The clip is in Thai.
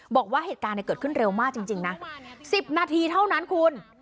บอกว่าเหตุการณ์เกิดขึ้นเร็วมากจริงนะ๑๐นาทีเท่านั้นคุณ